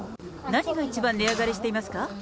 何が一番値上がりしていますか？